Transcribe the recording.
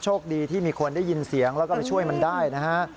โชคดีที่มีคนได้ยินเสียงแล้วก็ไปช่วยมันได้นะฮะ